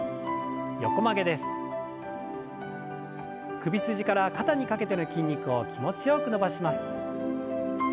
首筋から肩にかけての筋肉を気持ちよく伸ばします。